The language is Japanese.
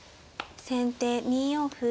先手２四歩。